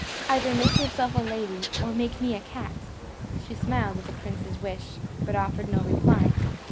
Either make yourself a lady, or make me a cat." She smiled at the prince's wish, but offered no reply.